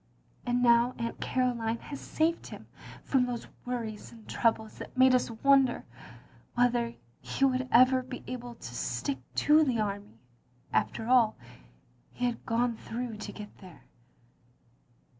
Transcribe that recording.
And now Atint Caroline has saved him from those worries and troubles that made us wonder whether he would ever be able to stick to the army, after all he had gone through to get there.